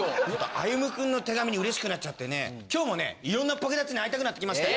あゆむくんの手紙にうれしくなっちゃってね今日もいろんなポケだちに会いたくなってきましたよ。